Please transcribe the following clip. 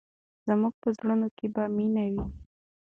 زموږ په زړونو کې به مینه وي.